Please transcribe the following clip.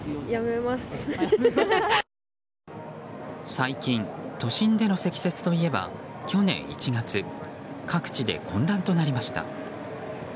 最近、都心での積雪といえば去年１月各地で混乱となりました。